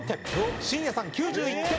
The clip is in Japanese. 真矢さん９１点。